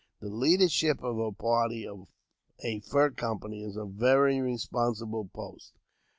The leadership of a party of a fur company is a very respon sible post.